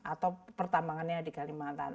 atau pertambangannya di kalimantan